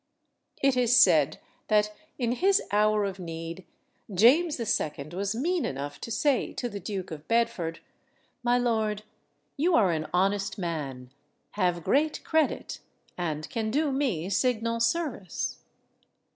It is said that, in his hour of need, James II. was mean enough to say to the Duke of Bedford, "My lord, you are an honest man, have great credit, and can do me signal service."